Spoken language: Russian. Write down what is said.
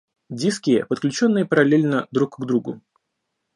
Диски, подключенные параллельно друг к другу